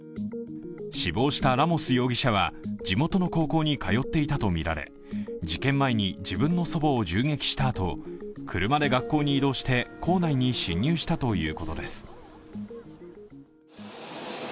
死亡したラモス容疑者は地元の高校に通っていたとみられ事件前に、自分の祖母を銃撃したあと、車で学校に移動して校内に侵入したということです。